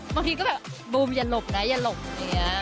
บางทีก็แบบบูมอย่าหลบนะอย่าหลบอย่างนี้